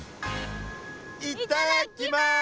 いっただきます！